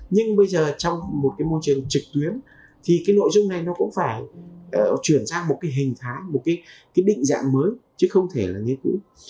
nhưng bây giờ trong một cái môi trường trực tuyến thì cái nội dung này nó cũng phải chuyển sang một cái hình thái một cái định dạng mới chứ không thể là như cũ